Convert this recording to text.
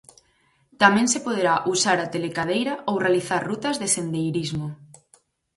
Tamén se poderá usar a telecadeira ou realizar rutas de sendeirismo.